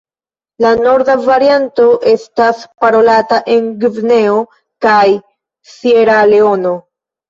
La norda varianto estas parolata en Gvineo kaj Sieraleono.